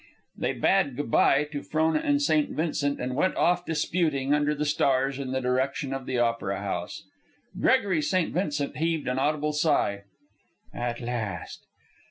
They bade good by to Frona and St. Vincent and went off disputing under the stars in the direction of the Opera House. Gregory St. Vincent heaved an audible sigh. "At last."